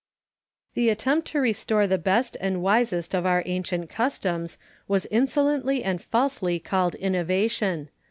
Quinctus. The attempt to restore the best and wisest of our ancient customs was insolently and falsely called innovation.